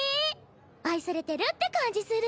愛されてるって感じする。